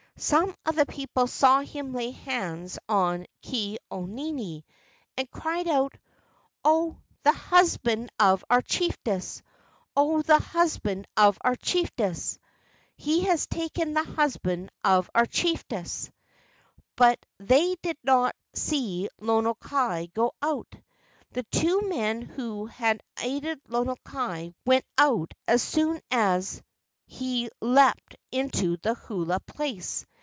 Some of the people saw him lay hands on Ke au nini, and cried out: "Oh, the husband of our chief ess! Oh, the husband of our chief ess! He has taken the husband of our chief ess! " But they did not see Lono kai go out. The two men who had aided Lono kai went out as soon as he leaped into the hula place.